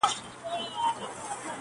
تشېدل به د شرابو ډك خمونه،